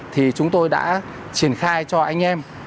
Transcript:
thì chúng tôi đã triển khai cho anh em